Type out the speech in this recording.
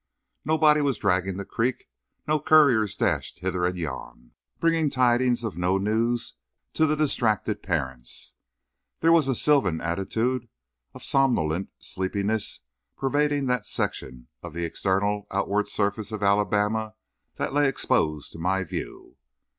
Nobody was dragging the creek; no couriers dashed hither and yon, bringing tidings of no news to the distracted parents. There was a sylvan attitude of somnolent sleepiness pervading that section of the external outward surface of Alabama that lay exposed to my view.